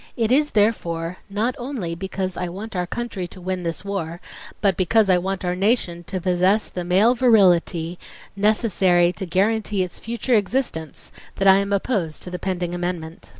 It is, therefore, not only because I want our country to win this war but because I want our nation to possess the male virility necessary to guarantee its future existence that I am opposed to the pending amendment."